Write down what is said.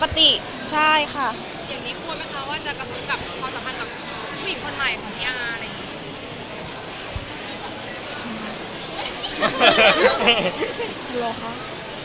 อย่างนี้ควรไหมคะว่าจะกระทบกับความสำคัญกับผู้หญิงคนใหม่ของพี่อาร์